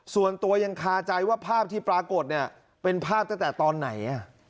ส่วนตัวยังคาใจว่าภาพที่ปรากฏเนี่ยเป็นภาพตั้งแต่ตอนไหน